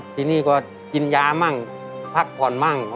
ทีนี้ก็กินยาบ้างพักผ่อนบ้าง